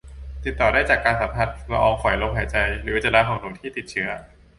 ติดต่อได้จากการสัมผัสละอองฝอยลมหายใจ หรืออุจจาระของหนูที่ติดเชื้อ